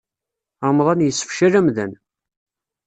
Remḍan yessefcal amdan.